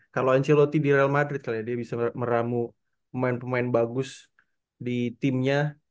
kalau anchor loti di real madrid kali ya dia bisa meramu pemain pemain bagus di timnya